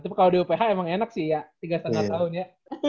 tapi kalau di uph emang enak sih ya tiga lima tahun ya